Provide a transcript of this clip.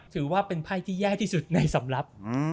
ถือว่าเป็นไพ่ที่แย่ที่สุดในสำหรับ